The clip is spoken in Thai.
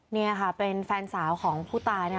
นี่ค่ะเป็นแฟนสาวของผู้ตายนะคะ